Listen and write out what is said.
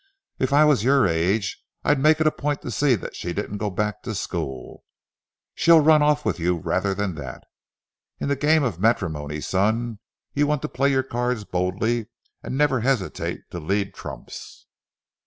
If I was your age, I'd make it a point to see that she didn't go back to school. She'll run off with you rather than that. In the game of matrimony, son, you want to play your cards boldly and never hesitate to lead trumps."